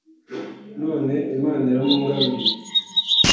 none Imana iramungaruriye